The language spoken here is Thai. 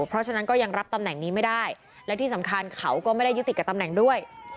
เพราะฉะนั้นก็ยังรับตำแหน่งนี้ไม่ได้และที่สำคัญเขาก็ไม่ได้ยึดติดกับตำแหน่งด้วย